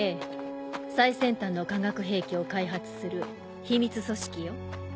最先端の科学兵器を開発する秘密組織よ。